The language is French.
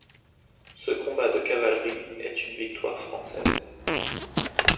Ce combat de cavalerie est une victoire française.